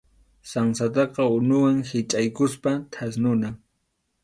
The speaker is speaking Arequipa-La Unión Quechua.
Sansataqa unuwan hichʼaykuspa thasnuna.